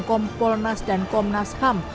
kompolnas dan komnas ham